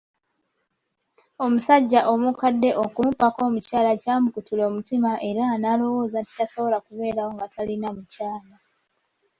Omusajja omukadde okumubbako omukyala ky'amukutula omutima era n'alowooza nti tasobola kubeerawo nga talina mukyala.